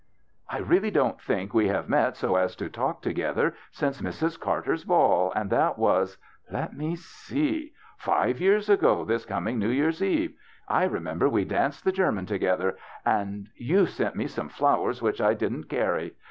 "I really don't think we have met so as to talk together since Mrs. Carter's ball, and that was — let me see — five years ago this coming New Year's eve. I remember we danced the German together, and — you sent me some flowers which I didn't carry.